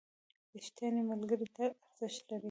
ریښتیني ملګري تل ارزښت لري.